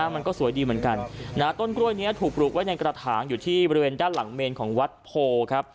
มันก็สวยดีเหมือนกันต้นกล้วยนี้ถูกปลูกไว้ในกระถางอยู่ที่บริเวณด้านหลังเมนของวัดโพครับ